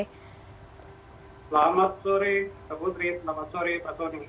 selamat sore mbak putri selamat sore pak soni